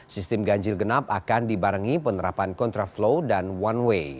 sistem ganjil genap akan dibarengi penerapan kontraflow dan one way